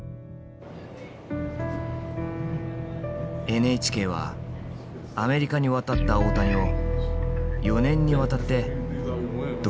ＮＨＫはアメリカに渡った大谷を４年にわたって独自に記録してきた。